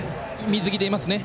水着でいますね。